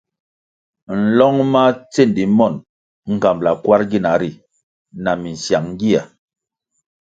Nlong ma tsendi mon ngambʼla kwarʼ gina ri na minsyang gia.